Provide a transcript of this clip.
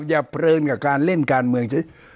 อย่าเพลินกับการเล่นการเมือง